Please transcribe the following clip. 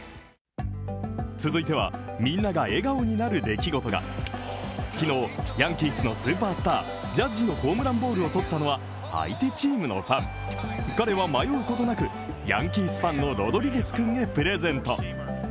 続いては、みんなが笑顔になる出来事が昨日、ヤンキースのスーパースター、ジャッジのホームランボールを取ったのは、相手チームのファン彼は迷うことなくヤンキースファンのロドリゲスくんへプレゼント。